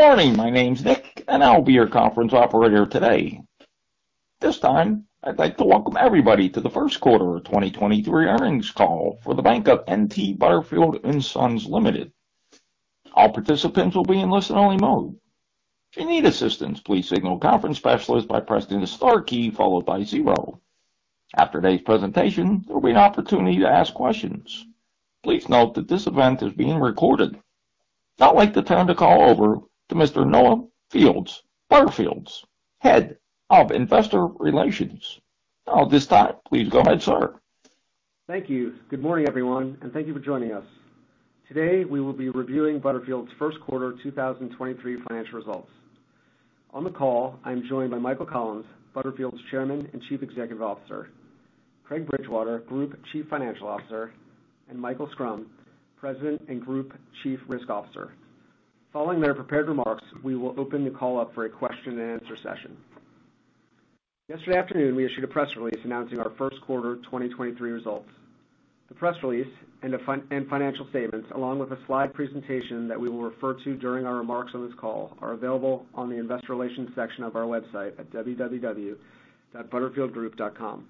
Good morning. My name's Nick. I'll be your conference operator today. This time, I'd like to welcome everybody to the Q1 of 2023 Earnings Call for The Bank of N.T. Butterfield & Son Limited. All participants will be in listen-only mode. If you need assistance, please signal a conference specialist by pressing the star key followed by zero. After today's presentation, there will be an opportunity to ask questions. Please note that this event is being recorded. I'd like the time to call over to Mr. Noah Fields, Butterfield's Head of Investor Relations. At this time, please go ahead, sir. Thank you. Good morning, everyone, thank you for joining us. Today, we will be reviewing Butterfield's Q1 2023 financial results. On the call, I'm joined by Michael Collins, Butterfield's Chairman and Chief Executive Officer, Craig Bridgewater, Group Chief Financial Officer, and Michael Schrum, President and Group Chief Risk Officer. Following their prepared remarks, we will open the call up for a question-and-answer session. Yesterday afternoon, we issued a press release announcing our Q1 2023 results. The press release and the financial statements, along with a slide presentation that we will refer to during our remarks on this call, are available on the investor relations section of our website at www.butterfieldgroup.com.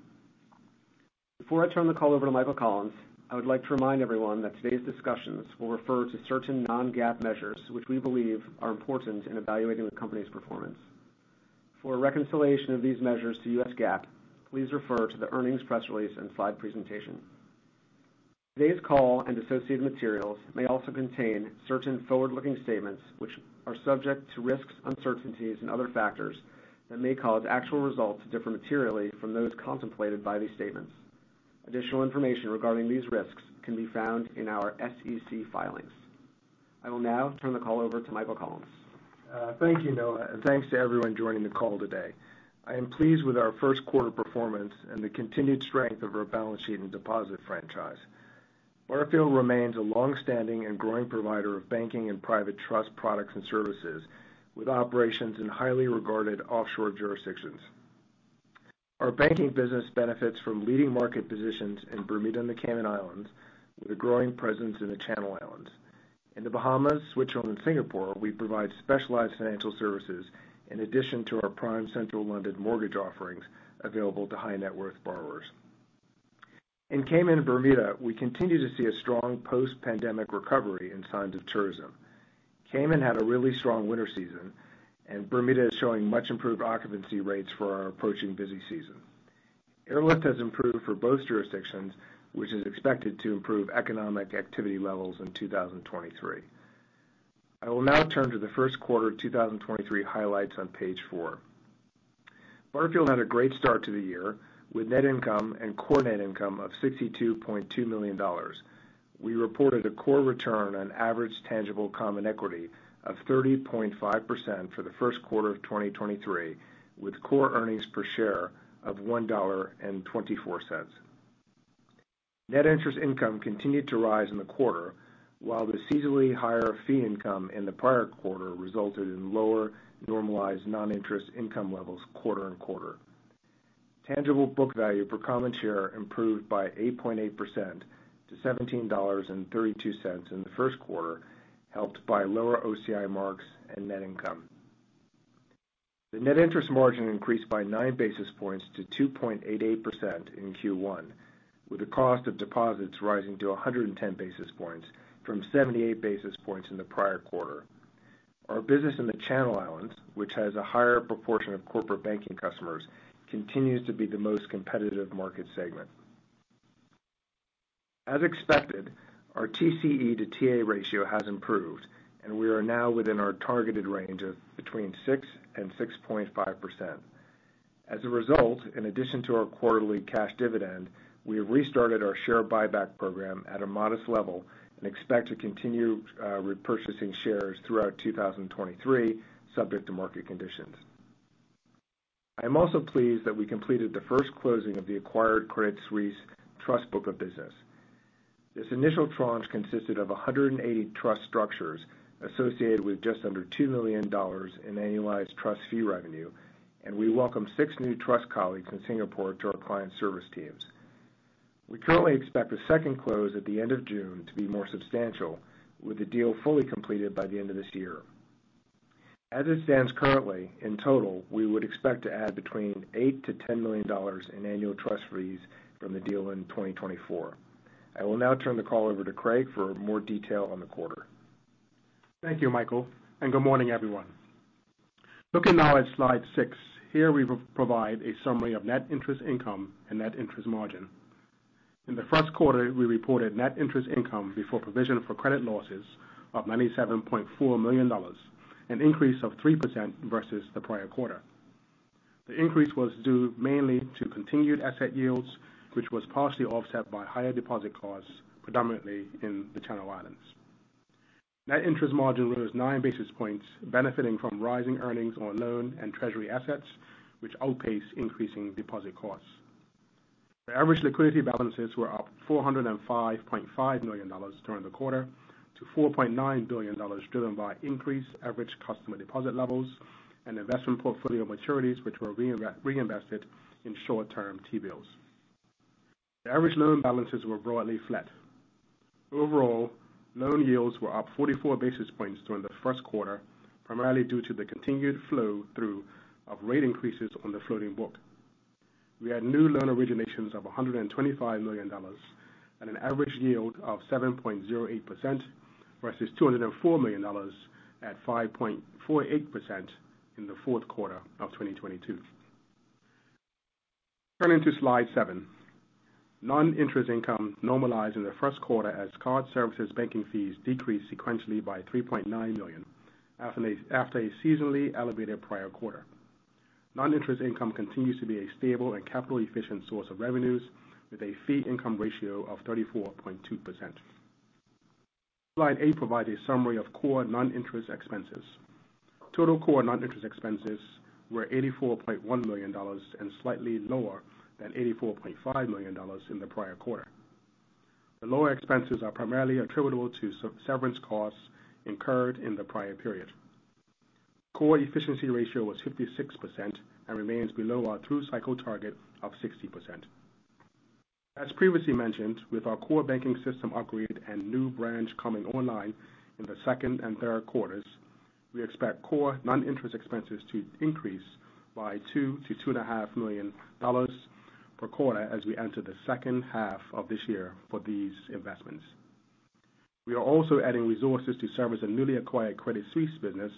Before I turn the call over to Michael Collins, I would like to remind everyone that today's discussions will refer to certain non-GAAP measures, which we believe are important in evaluating the company's performance. For a reconciliation of these measures to US GAAP, please refer to the earnings press release and slide presentation. Today's call and associated materials may also contain certain forward-looking statements, which are subject to risks, uncertainties and other factors that may cause actual results to differ materially from those contemplated by these statements. Additional information regarding these risks can be found in our SEC filings. I will now turn the call over to Michael Collins. Thank you, Noah, and thanks to everyone joining the call today. I am pleased with our Q1 performance and the continued strength of our balance sheet and deposit franchise. Butterfield remains a long-standing and growing provider of banking and private trust products and services, with operations in highly regarded offshore jurisdictions. Our banking business benefits from leading market positions in Bermuda and the Cayman Islands, with a growing presence in the Channel Islands. In the Bahamas, Singapore, we provide specialized financial services in addition to our prime central London mortgage offerings available to high-net-worth borrowers. In Cayman and Bermuda, we continue to see a strong post-pandemic recovery in signs of tourism. Cayman had a really strong winter season, and Bermuda is showing much improved occupancy rates for our approaching busy season. Airlift has improved for both jurisdictions, which is expected to improve economic activity levels in 2023. I will now turn to the Q1 2023 highlights on page four. Butterfield had a great start to the year with net income and core net income of $62.2 million. We reported a core return on average tangible common equity of 30.5% for the Q1 of 2023, with core earnings per share of $1.24. Net interest income continued to rise in the quarter, while the seasonally higher fee income in the prior quarter resulted in lower normalized non-interest income levels quarter-over-quarter. Tangible book value per common share improved by 8.8% to $17.32 in the Q1, helped by lower OCI marks and net income. The net interest margin increased by nine basis points to 2.88% in Q1, with the cost of deposits rising to 110 basis points from 78 basis points in the prior quarter. Our business in the Channel Islands, which has a higher proportion of corporate banking customers, continues to be the most competitive market segment. As expected, our TCE to TA ratio has improved, and we are now within our targeted range of between 6% and 6.5%. As a result, in addition to our quarterly cash dividend, we have restarted our share buyback program at a modest level and expect to continue repurchasing shares throughout 2023, subject to market conditions. I am also pleased that we completed the first closing of the acquired Credit Suisse trust book of business. This initial tranche consisted of 180 trust structures associated with just under $2 million in annualized trust fee revenue. We welcome six new trust colleagues in Singapore to our client service teams. We currently expect the second close at the end of June to be more substantial, with the deal fully completed by the end of this year. As it stands currently, in total, we would expect to add between $8 million-$10 million in annual trust fees from the deal in 2024. I will now turn the call over to Craig for more detail on the quarter. Thank you, Michael. Good morning, everyone. Looking now at slide six. Here, we provide a summary of net interest income and net interest margin. In the Q1, we reported net interest income before provision for credit losses of $97.4 million, an increase of 3% versus the prior quarter. The increase was due mainly to continued asset yields, which was partially offset by higher deposit costs, predominantly in the Channel Islands. Net interest margin was 9 basis points, benefiting from rising earnings on loan and Treasury assets, which outpaced increasing deposit costs. The average liquidity balances were up $405.5 million during the quarter to $4.9 billion, driven by increased average customer deposit levels and investment portfolio maturities, which were reinvested in short-term T-bills. The average loan balances were broadly flat. Overall, loan yields were up 44 basis points during the Q1, primarily due to the continued flow through of rate increases on the floating book. We had new loan originations of $125 million and an average yield of 7.08%, versus $204 million at 5.48% in the Q4 of 2022. Turning to Slide seven. Non-interest income normalized in the Q1 as card services banking fees decreased sequentially by $3.9 million, after a seasonally elevated prior quarter. Non-interest income continues to be a stable and capital efficient source of revenues with a fee income ratio of 34.2%. Slide eight provide a summary of core non-interest expenses. Total core non-interest expenses were $84.1 million, slightly lower than $84.5 million in the prior quarter. The lower expenses are primarily attributable to severance costs incurred in the prior period. Core efficiency ratio was 56%, remains below our through-cycle target of 60%. As previously mentioned, with our core banking system upgrade and new branch coming online in the Q2 and Q3, we expect core non-interest expenses to increase by $2 million-$2.5 million per quarter as we enter the second half of this year for these investments. We are also adding resources to service a newly acquired Credit Suisse business,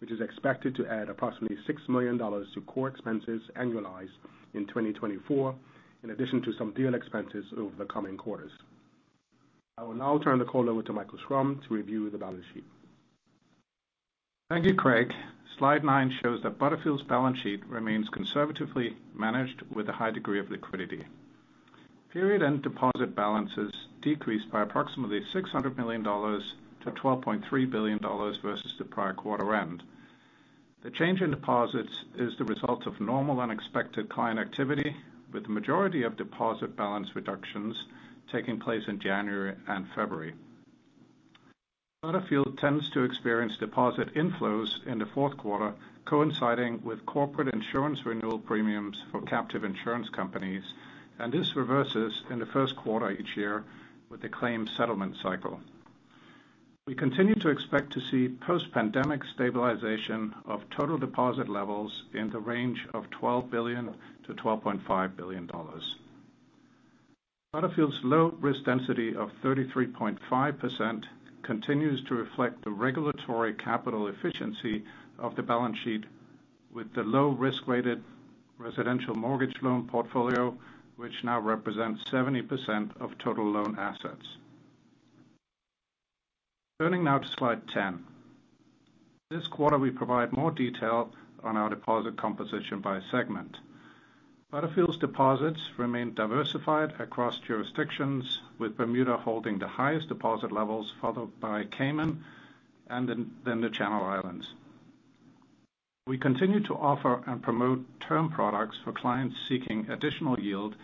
which is expected to add approximately $6 million to core expenses annualized in 2024, in addition to some deal expenses over the coming quarters. I will now turn the call over to Michael Schrum to review the balance sheet. Thank you, Craig. Slide nine shows that Butterfield's balance sheet remains conservatively managed with a high degree of liquidity. Period-end deposit balances decreased by approximately $600 million to $12.3 billion versus the prior quarter-end. The change in deposits is the result of normal and expected client activity, with the majority of deposit balance reductions taking place in January and February. Butterfield tends to experience deposit inflows in the Q4, coinciding with corporate insurance renewal premiums for captive insurance companies, and this reverses in the Q1 each year with the claim settlement cycle. We continue to expect to see post-pandemic stabilization of total deposit levels in the range of $12 billion-$12.5 billion. Butterfield's low risk density of 33.5% continues to reflect the regulatory capital efficiency of the balance sheet with the low risk-rated residential mortgage loan portfolio, which now represents 70% of total loan assets. Turning now to slide 10. This quarter, we provide more detail on our deposit composition by segment. Butterfield's deposits remain diversified across jurisdictions, with Bermuda holding the highest deposit levels, followed by Cayman and then the Channel Islands. We continue to offer and promote term products for clients seeking additional yield,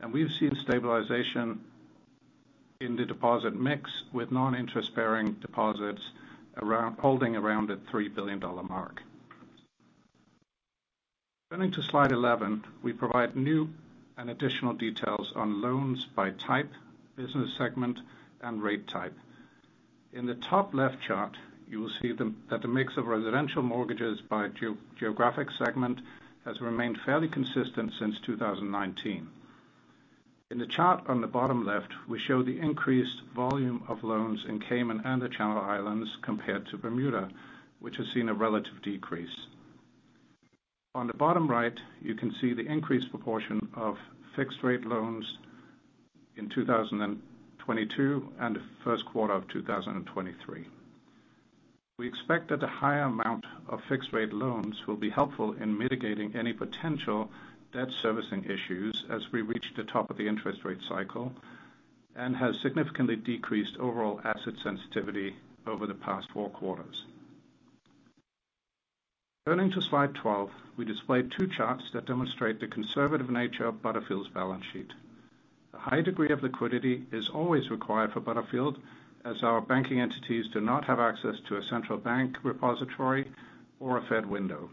and we've seen stabilization in the deposit mix with non-interest-bearing deposits holding around the $3 billion mark. Turning to slide 11, we provide new and additional details on loans by type, business segment, and rate type. In the top left chart, you will see that the mix of residential mortgages by geo-geographic segment has remained fairly consistent since 2019. In the chart on the bottom left, we show the increased volume of loans in Cayman and the Channel Islands compared to Bermuda, which has seen a relative decrease. On the bottom right, you can see the increased proportion of fixed rate loans in 2022 and the Q1 of 2023. We expect that the higher amount of fixed rate loans will be helpful in mitigating any potential debt servicing issues as we reach the top of the interest rate cycle, and has significantly decreased overall asset sensitivity over the past four quarters. Turning to slide 12, we display two charts that demonstrate the conservative nature of Butterfield's balance sheet. The high degree of liquidity is always required for Butterfield, as our banking entities do not have access to a central bank repository or a Fed window.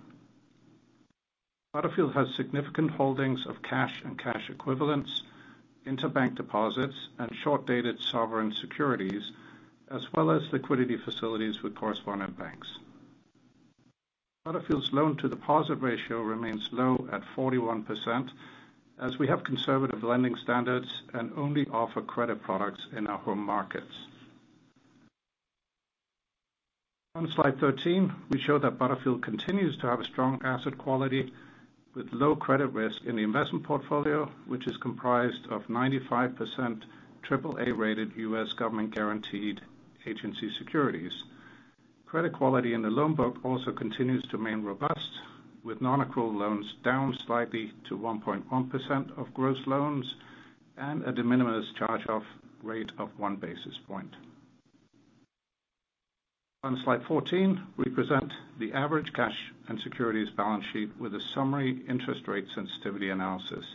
Butterfield has significant holdings of cash and cash equivalents, interbank deposits, and short-dated sovereign securities, as well as liquidity facilities with correspondent banks. Butterfield's loan to deposit ratio remains low at 41%, as we have conservative lending standards and only offer credit products in our home markets. On slide 13, we show that Butterfield continues to have a strong asset quality with low credit risk in the investment portfolio, which is comprised of 95% AAA-rated U.S. government guaranteed agency securities. Credit quality in the loan book also continues to remain robust, with non-accrual loans down slightly to 1.1% of gross loans and at a de minimis charge-off rate of 1 basis point. On slide 14, we present the average cash and securities balance sheet with a summary interest rate sensitivity analysis.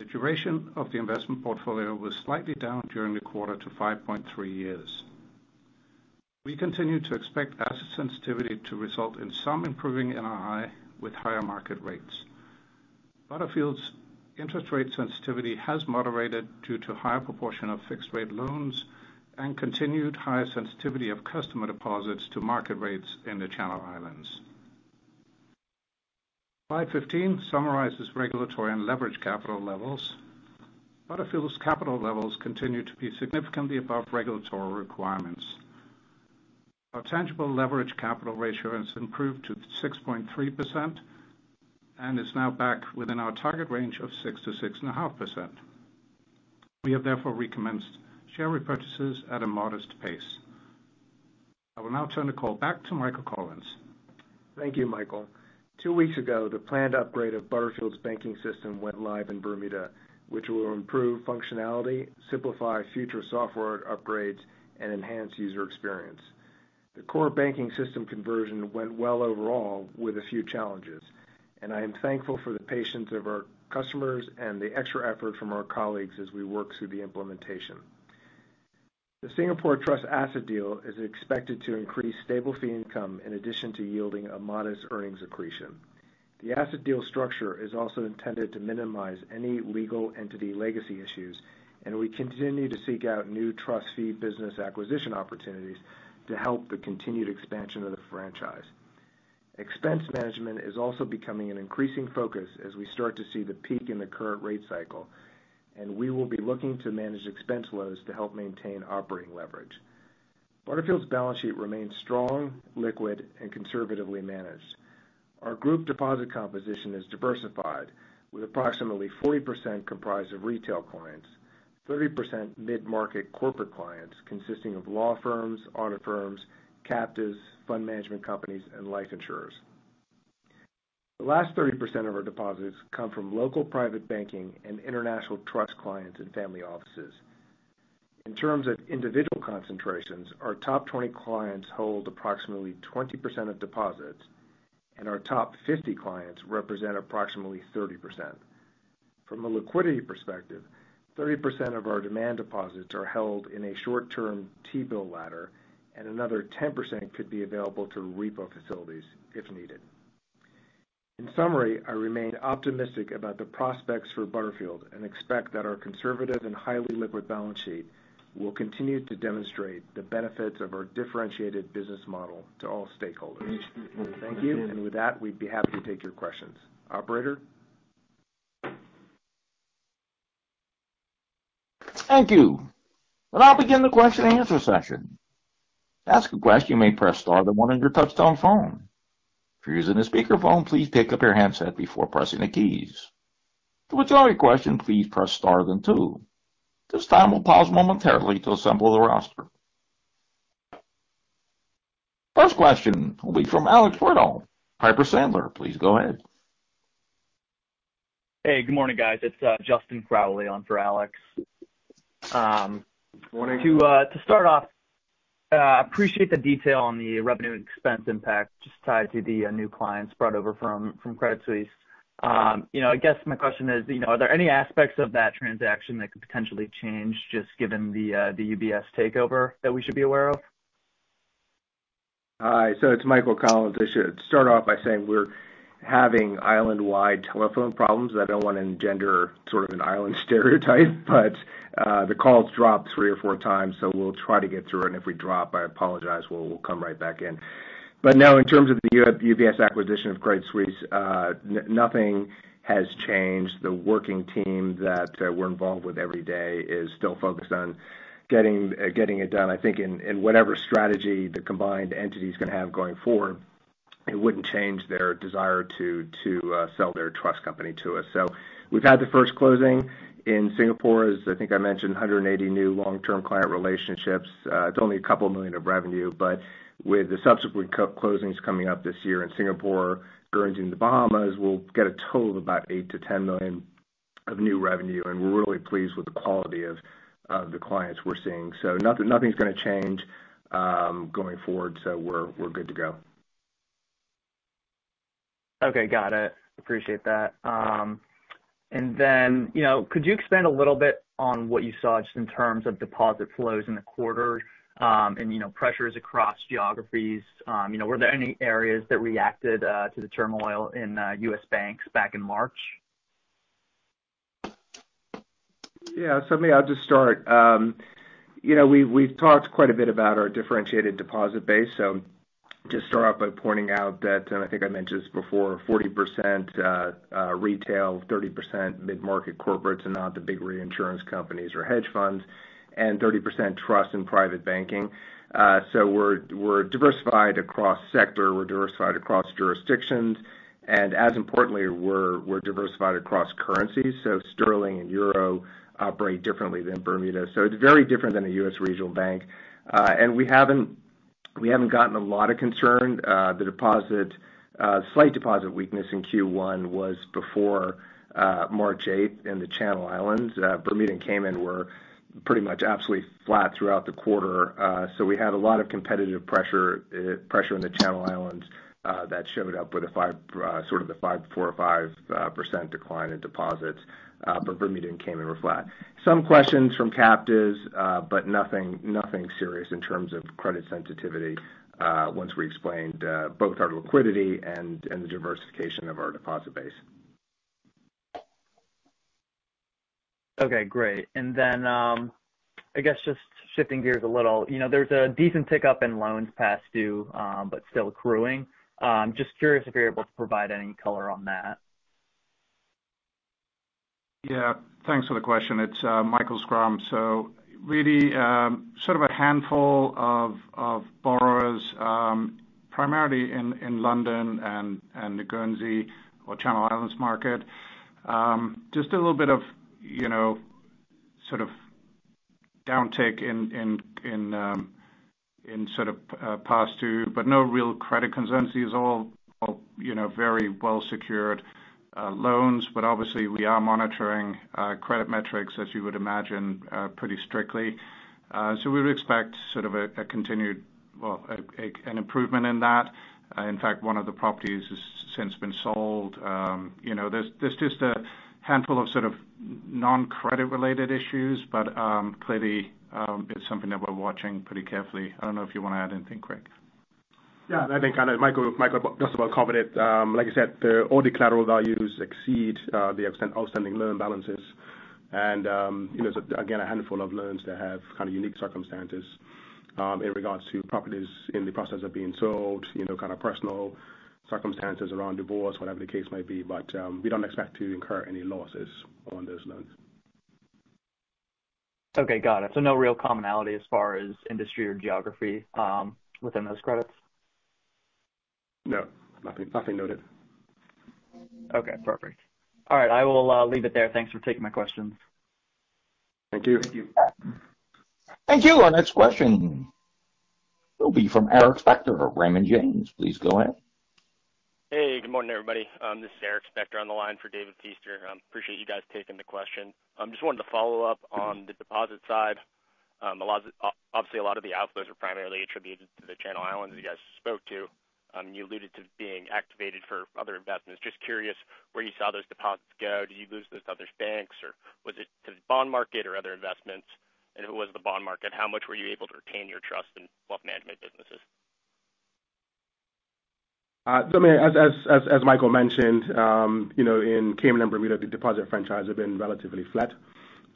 The duration of the investment portfolio was slightly down during the quarter to 5.3 years. We continue to expect asset sensitivity to result in some improving NII with higher market rates. Butterfield's interest rate sensitivity has moderated due to higher proportion of fixed rate loans and continued high sensitivity of customer deposits to market rates in the Channel Islands. Slide 15 summarizes regulatory and leverage capital levels. Butterfield's capital levels continue to be significantly above regulatory requirements. Our tangible leverage capital ratio has improved to 6.3% and is now back within our target range of 6%-6.5%. We have therefore recommenced share repurchases at a modest pace. I will now turn the call back to Michael Collins. Thank you, Michael. two weeks ago, the planned upgrade of Butterfield's banking system went live in Bermuda, which will improve functionality, simplify future software upgrades, and enhance user experience. The core banking system conversion went well overall with a few challenges. I am thankful for the patience of our customers and the extra effort from our colleagues as we work through the implementation. The Singapore Trust asset deal is expected to increase stable fee income in addition to yielding a modest earnings accretion. The asset deal structure is also intended to minimize any legal entity legacy issues. We continue to seek out new trust fee business acquisition opportunities to help the continued expansion of the franchise. Expense management is also becoming an increasing focus as we start to see the peak in the current rate cycle. We will be looking to manage expense loads to help maintain operating leverage. Butterfield's balance sheet remains strong, liquid, and conservatively managed. Our group deposit composition is diversified with approximately 40% comprised of retail clients, 30% mid-market corporate clients consisting of law firms, audit firms, captives, fund management companies, and life insurers. The last 30% of our deposits come from local private banking and international trust clients and family offices. In terms of individual concentrations, our top 20 clients hold approximately 20% of deposits, and our top 50 clients represent approximately 30%. From a liquidity perspective, 30% of our demand deposits are held in a short-term T-bill ladder, and another 10% could be available to repo facilities if needed. In summary, I remain optimistic about the prospects for Butterfield and expect that our conservative and highly liquid balance sheet will continue to demonstrate the benefits of our differentiated business model to all stakeholders. Thank you. With that, we'd be happy to take your questions. Operator? Thank you. We'll now begin the question and answer session. To ask a question, you may press star then 1 on your touchtone phone. If you're using a speakerphone, please pick up your handset before pressing the keys. To withdraw your question, please press star then 2. At this time, we'll pause momentarily to assemble the roster. First question will be from Alex Twerdahl, Piper Sandler. Please go ahead. Hey, good morning, guys. It's Alexander Twerdahl on for Alex. Morning. To start off, appreciate the detail on the revenue expense impact just tied to the new clients brought over from Credit Suisse. You know, I guess my question is, you know, are there any aspects of that transaction that could potentially change just given the UBS takeover that we should be aware of? Hi. It's Michael Collins. I should start off by saying we're having island-wide telephone problems, so I don't want to engender sort of an island stereotype, but the call's dropped three or four times, so we'll try to get through it. If we drop, I apologize, we'll come right back in. No, in terms of the UBS acquisition of Credit Suisse, nothing has changed. The working team that we're involved with every day is still focused on getting it done. I think in whatever strategy the combined entity is gonna have going forward, it wouldn't change their desire to sell their trust company to us. We've had the first closing in Singapore, as I think I mentioned, 180 new long-term client relationships. It's only a couple million of revenue, but with the subsequent closings coming up this year in Singapore, Guernsey and the Bahamas, we'll get a total of about $8 million-$10 million of new revenue. We're really pleased with the quality of the clients we're seeing. Nothing's gonna change going forward. We're good to go. Okay. Got it. Appreciate that. You know, could you expand a little bit on what you saw just in terms of deposit flows in the quarter, and, you know, pressures across geographies. You know, were there any areas that reacted to the turmoil in U.S. banks back in March? Yeah. Maybe I'll just start. You know, we've talked quite a bit about our differentiated deposit base. Just start off by pointing out that, and I think I mentioned this before, 40% retail, 30% mid-market corporates and not the big reinsurance companies or hedge funds, and 30% trust and private banking. We're diversified across sector, we're diversified across jurisdictions, and as importantly we're diversified across currencies. Sterling and euro operate differently than Bermuda. It's very different than a U.S. regional bank. And we haven't gotten a lot of concern. Slight deposit weakness in Q1 was before 8 March in the Channel Islands. Bermuda and Cayman were pretty much absolutely flat throughout the quarter. We had a lot of competitive pressure in the Channel Islands, that showed up with a 4%-5% decline in deposits. Bermuda and Cayman were flat. Some questions from captives, nothing serious in terms of credit sensitivity, once we explained, both our liquidity and the diversification of our deposit base. Okay, great. I guess just shifting gears a little. You know, there's a decent tick-up in loans past due, but still accruing. just curious if you're able to provide any color on that. Yeah. Thanks for the question. It's Michael Schrum. really, sort of a handful of borrowers, primarily in London and the Guernsey or Channel Islands market. Just a little bit of, you know, sort of downtick in past due, but no real credit concerns. These are all, you know, very well-secured loans. Obviously we are monitoring credit metrics as you would imagine pretty strictly. we would expect sort of a continued, well, an improvement in that. In fact, one of the properties has since been sold. you know, there's just a handful of sort of non-credit related issues, but clearly, it's something that we're watching pretty carefully. I don't know if you wanna add anything, Craig. Yeah, I think kind of Michael just about covered it. Like I said, the all the collateral values exceed outstanding loan balances. You know, so again, a handful of loans that have kind of unique circumstances, in regards to properties in the process of being sold, you know, kind of personal circumstances around divorce, whatever the case may be. We don't expect to incur any losses on those loans. Okay. Got it. No real commonality as far as industry or geography within those credits? No. Nothing, nothing noted. Okay. Perfect. All right, I will leave it there. Thanks for taking my questions. Thank you. Thank you. Thank you. Our next question will be from David Feaster of Raymond James. Please go ahead. Hey, good morning, everybody. This is David Feaster on the line for David Feaster. Appreciate you guys taking the question. I'm just wanted to follow up on the deposit side. Obviously a lot of the outflows are primarily attributed to the Channel Islands you guys spoke to. You alluded to being activated for other investments. Just curious where you saw those deposits go. Did you lose those to other banks or was it to bond market or other investments? If it was the bond market, how much were you able to retain your trust in wealth management businesses? As Michael mentioned, in Cayman and Bermuda, the deposit franchise have been relatively flat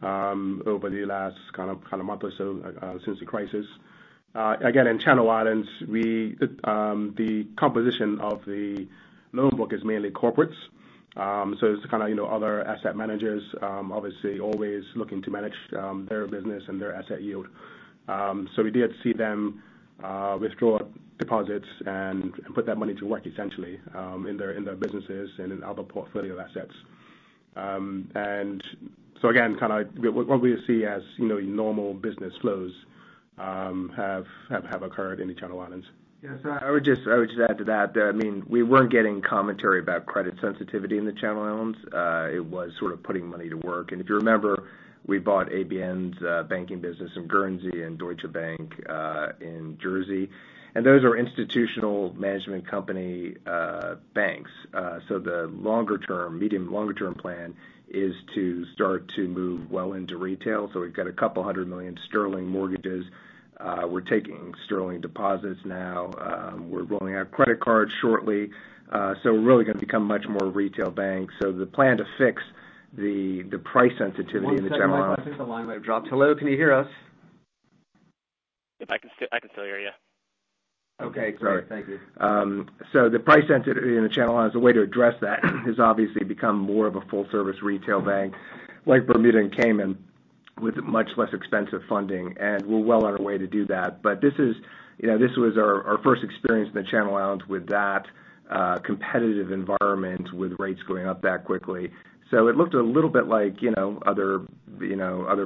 over the last kind of month or so since the crisis. In Channel Islands, we, the composition of the loan book is mainly corporates. It's other asset managers, obviously always looking to manage their business and their asset yield. We did see them withdraw deposits and put that money to work essentially in their businesses and in other portfolio assets. What we see as normal business flows have occurred in the Channel Islands. I would just add to that. I mean, we weren't getting commentary about credit sensitivity in the Channel Islands. It was sort of putting money to work. If you remember, we bought ABN's banking business in Guernsey and Deutsche Bank in Jersey, and those are institutional management company banks. The medium longer term plan is to start to move well into retail. We've got a couple hundred million sterling mortgages. We're taking sterling deposits now. We're rolling out credit cards shortly. We're really gonna become much more retail bank. The plan to fix the price sensitivity in the Channel Islands. One sec, Michael. I think the line might have dropped. Hello, can you hear us? Yep, I can still hear you. Okay, great. Sorry. Thank you. The price sensitivity in the Channel Islands, the way to address that has obviously become more of a full service retail bank like Bermuda and Cayman with much less expensive funding, and we're well on our way to do that. This is, you know, this was our first experience in the Channel Islands with that competitive environment with rates going up that quickly. It looked a little bit like, you know, other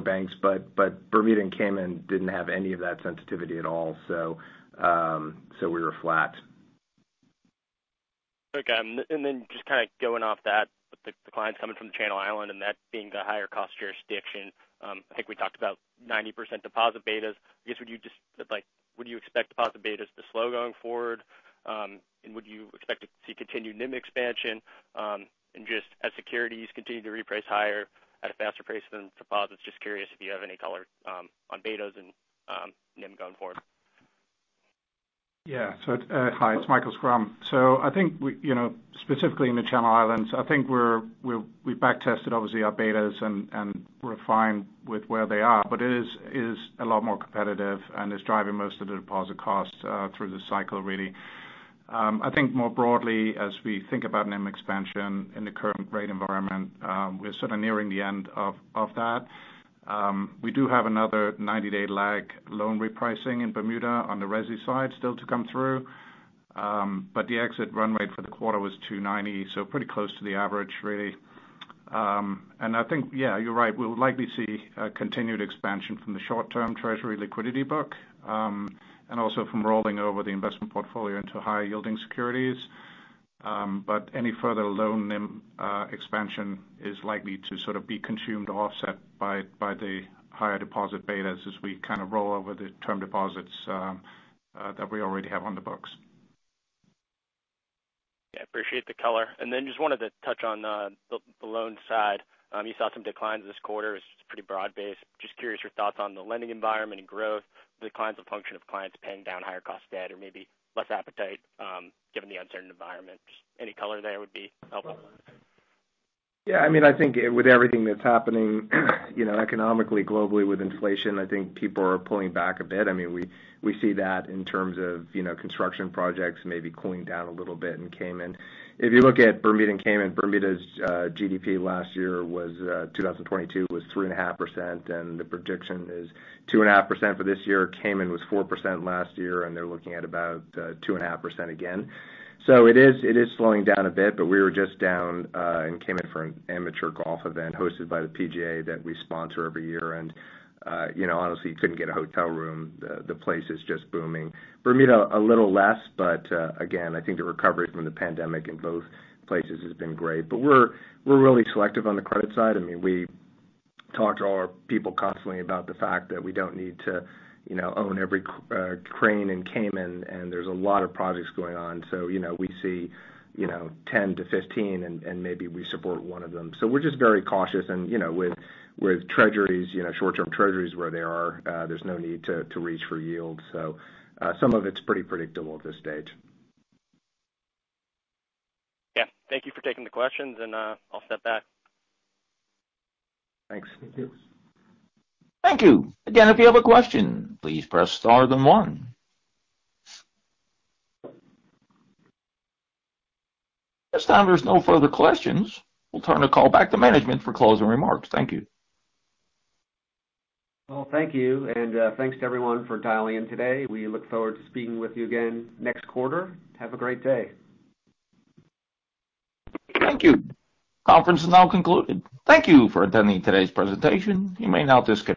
banks, but Bermuda and Cayman didn't have any of that sensitivity at all. We were flat. Okay. Just kind of going off that, the clients coming from the Channel Island and that being the higher cost jurisdiction, I think we talked about 90% deposit betas. I guess would you just would you expect deposit betas to slow going forward? Would you expect to see continued NIM expansion, and just as securities continue to reprice higher at a faster pace than deposits? Just curious if you have any color on betas and NIM going forward. Hi, it's Michael Schrum. I think we, you know, specifically in the Channel Islands, I think we back tested obviously our betas and refined with where they are, but it is a lot more competitive and is driving most of the deposit costs through the cycle really. I think more broadly as we think about NIM expansion in the current rate environment, we're sort of nearing the end of that. We do have another 90-day lag loan repricing in Bermuda on the Resi side still to come through. The exit run rate for the quarter was 2.90%, so pretty close to the average really. I think, yeah, you're right, we'll likely see a continued expansion from the short-term Treasury liquidity book, and also from rolling over the investment portfolio into higher yielding securities. Any further loan NIM expansion is likely to sort of be consumed or offset by the higher deposit betas as we kind of roll over the term deposits that we already have on the books. Yeah, appreciate the color. Just wanted to touch on the loan side. You saw some declines this quarter. It's pretty broad based. Just curious your thoughts on the lending environment and growth, the declines a function of clients paying down higher cost debt or maybe less appetite given the uncertain environment? Just any color there would be helpful. Yeah, I mean, I think with everything that's happening, you know, economically, globally with inflation, I think people are pulling back a bit. I mean, we see that in terms of, you know, construction projects maybe cooling down a little bit in Cayman. If you look at Bermuda and Cayman, Bermuda's GDP last year was 2022 was 3.5%, and the prediction is 2.5% for this year. Cayman was 4% last year, and they're looking at about 2.5% again. It is slowing down a bit, but we were just down in Cayman for an amateur golf event hosted by the PGA that we sponsor every year. You know, honestly, you couldn't get a hotel room. The place is just booming. Bermuda, a little less, but again, I think the recovery from the pandemic in both places has been great. We're really selective on the credit side. I mean, we talk to all our people constantly about the fact that we don't need to, you know, own every crane in Cayman, and there's a lot of projects going on. You know, we see, you know, 10-15 and maybe we support one of them. We're just very cautious and, you know, with treasuries, you know, short-term treasuries where they are, there's no need to reach for yield. Some of it's pretty predictable at this stage. Yeah. Thank you for taking the questions and, I'll step back. Thanks. Thank you. Thank you. Again, if you have a question, please press star then one. At this time, there's no further questions. We'll turn the call back to management for closing remarks. Thank you. Well, thank you. Thanks to everyone for dialing in today. We look forward to speaking with you again next quarter. Have a great day. Thank you. Conference is now concluded. Thank you for attending today's presentation. You may now disconnect.